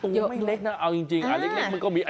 ตัวไม่เล็กนะอ้าวจริงอันนี้ละก็มี